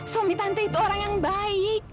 suami tante itu orang yang baik